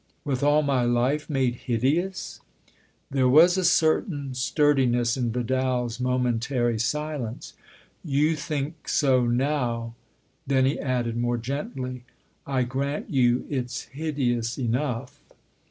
with all my life made hideous ?" There was a certain sturdiness in Vidal's momentary silence. " You think so now !" Then he added more gently :" I grant you it's hideous enough."